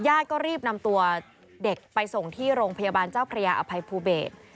ก็รีบนำตัวเด็กไปส่งที่โรงพยาบาลเจ้าพระยาอภัยภูเบศ